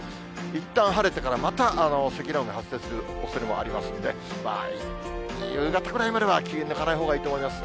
いったん晴れてからまた積乱雲が発生するおそれもありますので、夕方ぐらいまでは気を抜かないほうがいいと思います。